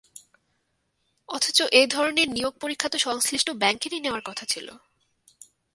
অথচ এ ধরনের নিয়োগ পরীক্ষা তো সংশ্লিষ্ট ব্যাংকেরই নেওয়ার কথা ছিল।